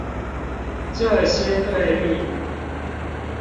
這些對立